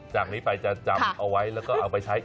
จากนี้ไปจะจำเอาไว้แล้วก็เอาไปใช้